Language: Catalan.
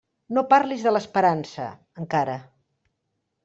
No parlis de l'esperança, encara.